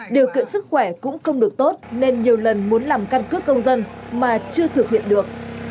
điều kiện sức khỏe cũng không được tốt nên nhiều lần muốn làm căn cước công dân mà chưa thực hiện được